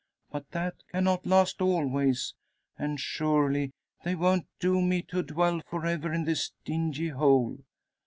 But that cannot last always; and surely they won't doom me to dwell for ever in this dingy hole.